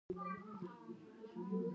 په برازیل کې پر اعتصاب بندیز ولګېد.